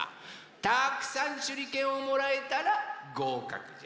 たくさんしゅりけんをもらえたらごうかくじゃ。